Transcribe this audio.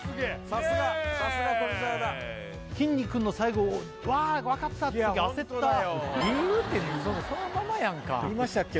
さすがさすが富澤だきんに君の最後「わーわかった」って時焦った「理由」ってそのままやんかありましたっけ？